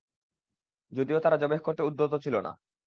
যদিও তারা যবেহ্ করতে উদ্যত ছিল না।